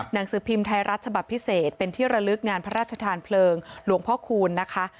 หนังสือพิมพ์ไทยรัฐฉบับพิเศษเป็นที่ระลึกงานพระราชทานเพลิงหลวงพ่อคูณนะคะ